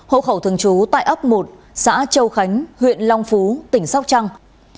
hộ khẩu thường trú tại ấp một xã châu khánh huyện long phú tỉnh sóc trăng